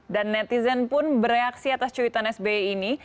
dan netizen pun bereaksi atas cuitan sb ini